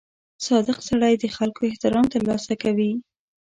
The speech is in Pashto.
• صادق سړی د خلکو احترام ترلاسه کوي.